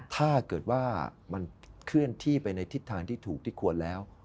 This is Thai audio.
ถ้าเกิดว่ามันเคลื่อนที่ไปในทิศทางที่ถูกที่ควรแล้ว